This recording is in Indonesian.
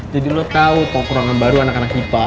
jadi lo tau pokok ruangan baru anak anak kipa